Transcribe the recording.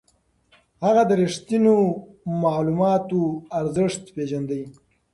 هغه د رښتينو معلوماتو ارزښت پېژانده.